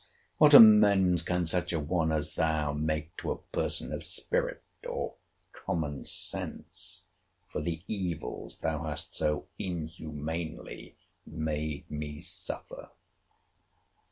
What amends can such a one as thou make to a person of spirit, or common sense, for the evils thou hast so inhumanely made me suffer?